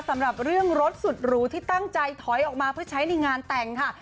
สำหรับเรื่องรถสุดหรูที่ตั้งใจถอยออกมาเพื่อใช้ในงานแต่งค่ะ